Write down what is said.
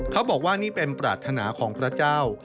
เขาบอกว่านี่เป็นปรารถนาของพระเจ้า